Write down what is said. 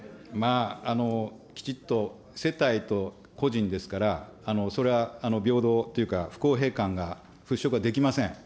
きちっと世帯と個人ですから、それは平等というか、不公平感が払拭はできません。